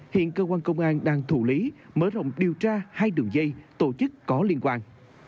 hiện cơ quan công an đang thủ lý mở rộng điều tra hai đường dây tổ chức có liên quan